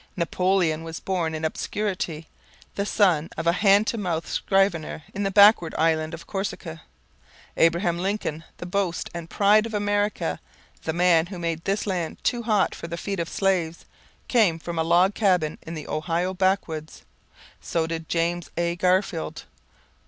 Napoleon was born in obscurity, the son of a hand to mouth scrivener in the backward island of Corsica. Abraham Lincoln, the boast and pride of America, the man who made this land too hot for the feet of slaves, came from a log cabin in the Ohio backwoods. So did James A. Garfield.